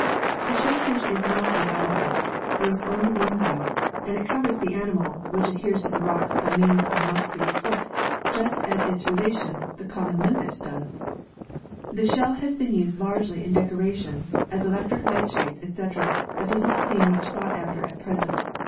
The shellfish is not a bivalve. There is only one valve, and it covers the animal, which n] WHERE PEARLS ARE FOUND 17 adheres to the rocks by means of a muscular foot just as its relation, the common limpet, does. The shell has been used largely in decorations, as electric light shades, etc. but does not seem much sought after at present.